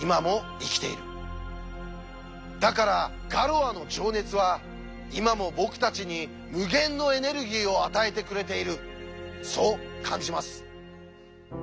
だからガロアの情熱は今も僕たちに無限のエネルギーを与えてくれているそう感じます。